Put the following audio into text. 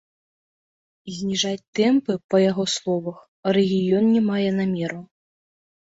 І зніжаць тэмпы, па яго словах, рэгіён не мае намеру.